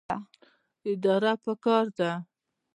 اراده پکار ده